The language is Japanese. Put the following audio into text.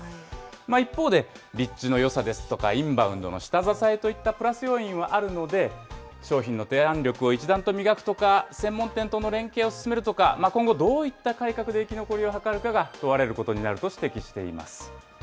一方で、立地のよさですとか、インバウンドの下支えといったプラス要因はあるので、商品の提案力を一段と磨くとか、専門店との連携を進めるとか、今後、どういった改革で生き残りを図るかが問われることになると指摘しています。